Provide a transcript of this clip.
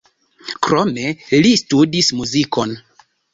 Krome li studis muzikon.